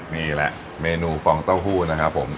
นี่แหละเมนูฟองเต้าหู้นะครับผม